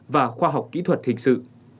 và khoa học kỹ thuật hình sự